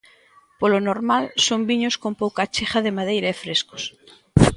Polo normal son viños con pouca achega de madeira e frescos.